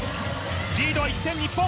リードは１点、日本。